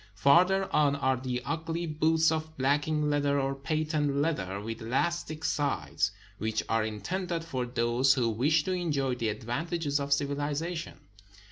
Farther on are the ugly boots of blacking leather or patent leather with elastic sides, which are intended for those who wish to enjoy the advantages of civilization.